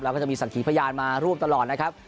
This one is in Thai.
แล้วก็จะมีสักขีพยานมาร่วมตลอดนะครับ